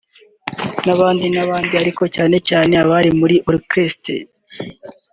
n’abandi n’abandi ariko cyane cyane abari muri Orchestre